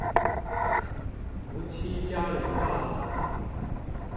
梧棲交流道